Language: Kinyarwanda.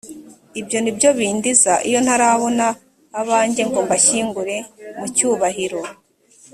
ibyo ni byo bindiza iyo ntarabona abajye ngo mbashyingure mu cyubahiro